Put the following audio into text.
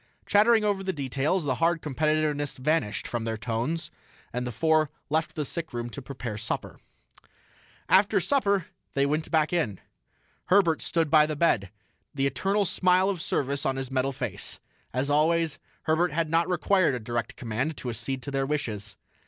Chattering over the details, the hard competitiveness vanished from their tones, the four left the sickroom to prepare supper. After supper they went back in. Herbert stood by the bed, the eternal smile of service on his metal face. As always, Herbert had not required a direct command to accede to their wishes.